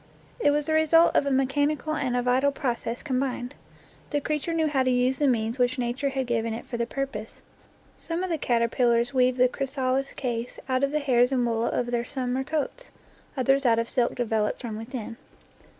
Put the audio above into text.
It was the result of a mechan ical and a vital process combined. The creature knew how to use the means which Nature had given 24 NATURE LORE it for the purpose. Some of the caterpillars weave the chrysalis case out of the hairs and wool of their sum mer coats, others out of silk developed from within.